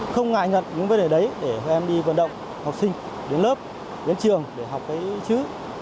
không ngại ngặt những vấn đề đấy để các em đi vận động học sinh đến lớp đến trường để học cái chữ